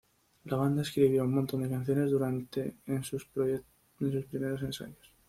La banda escribió un montón de canciones durante en sus primeros ensayos.